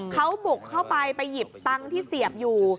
เขาบุกเข้าไปไปหยิบตังค์ที่เสียบอยู่